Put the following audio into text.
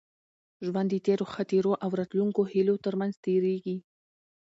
ژوند د تېرو خاطرو او راتلونکو هیلو تر منځ تېرېږي.